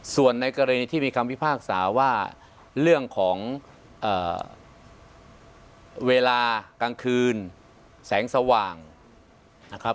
ส่วนในกรณีที่มีคำพิพากษาว่าเรื่องของเวลากลางคืนแสงสว่างนะครับ